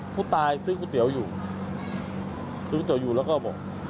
ผู้ตายซื้อก๋วยเตี๋ยวอยู่ซื้อก๋วยเตี๋ยวอยู่แล้วก็บอก